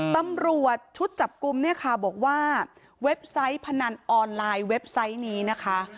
ตำรวจชุดจับกลุ่มเนี่ยค่ะบอกว่าเว็บไซต์พนันออนไลน์เว็บไซต์นี้นะคะ